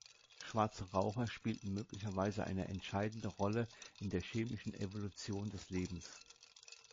Schwarze Raucher spielten möglicherweise eine entscheidende Rolle in der chemischen Evolution des Lebens.